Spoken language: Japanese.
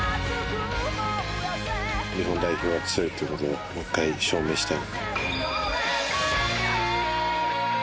日本代表は強いということをもう１回証明したい。